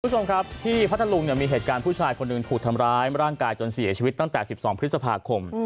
คุณผู้ชมครับที่พัทธลุงเนี่ยมีเหตุการณ์ผู้ชายคนหนึ่งถูกทำร้ายร่างกายจนเสียชีวิตตั้งแต่๑๒พฤษภาคม